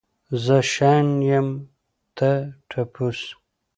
زه شاين يم ته ټپوس.